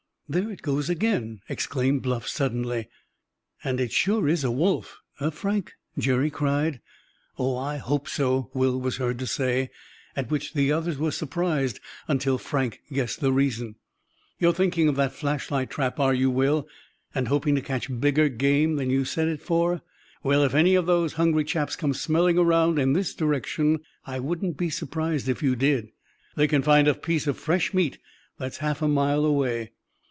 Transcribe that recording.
"There it goes again!" exclaimed Bluff suddenly. "And it sure is a wolf—eh, Frank?" Jerry cried. "Oh, I hope so!" Will was heard to say, at which the others were surprised until Frank guessed the reason. "You're thinking of that flashlight trap, are you, Will, and hoping to catch bigger game than you set it for? Well, if any of those hungry chaps come smelling around in this direction I wouldn't be surprised if you did. They can find a piece of fresh meat that's half a mile away."